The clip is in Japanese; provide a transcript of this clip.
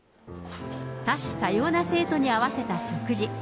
多種多様な生徒に合わせた食事。